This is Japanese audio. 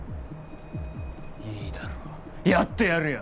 いいだろうやってやるよ。